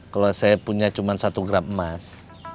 kalau saya punya cuma satu gram emas